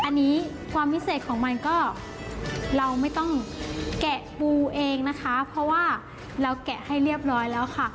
อันนี้ความพิเศษของมันก็เราไม่ต้องแกะปูเองนะคะเพราะว่าเราแกะให้เรียบร้อยแล้วค่ะ